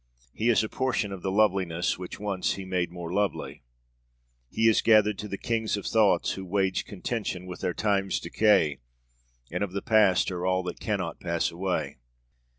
he is a portion of the loveliness which once he made more lovely; ... he is gathered to the kings of thoughts who waged contention with their times' decay, and of the past are all that cannot pass away.